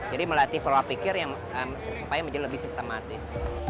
jadi melatih pola pikir yang supaya menjadi lebih sistematis